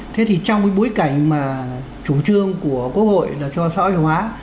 thế thì trong bối cảnh mà chủ trương của quốc hội là cho sõi hóa